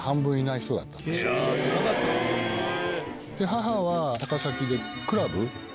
母は高崎でクラブ。